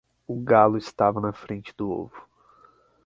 O galo estava na frente do ovo.